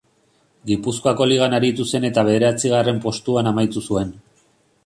Gipuzkoako Ligan aritu zen eta bederatzigarren postuan amaitu zuen.